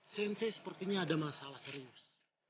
sensi sepertinya ada masalah serius